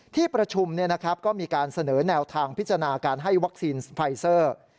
ที่ประชุมก็มีการเสนอแนวทางพิจารณาการให้วัคซีนไฟเซอร์